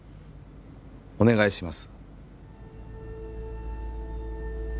お願いします